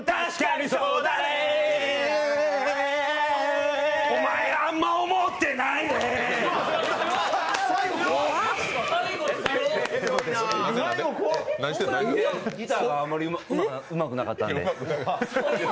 ギターがあんまりうまくなかったんで。